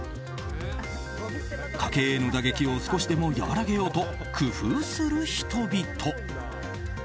家計への打撃を少しでも和らげようと工夫する人々。